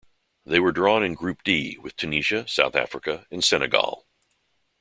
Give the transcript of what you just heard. They were drawn in Group D with Tunisia, South Africa and Senegal.